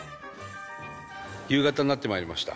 夕方になってまいりました。